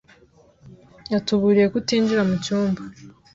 Yatuburiye kutinjira mu cyumba.